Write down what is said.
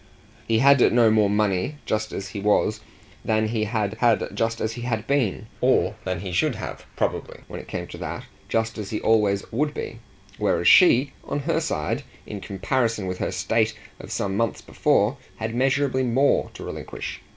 He had no more money just as he was than he had had just as he had been, or than he should have, probably, when it came to that, just as he always would be; whereas she, on her side, in comparison with her state of some months before, had measureably more to relinquish.